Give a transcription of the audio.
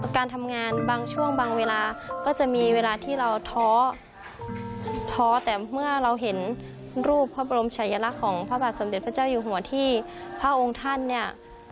การทำงานบางช่วงบางเวลาก็จะมีเวลาที่เราท้อท้อแต่เมื่อเราเห็นรูปพระบรมชายลักษณ์ของพระบาทสมเด็จพระเจ้าอยู่หัวที่พระองค์ท่านเนี่ย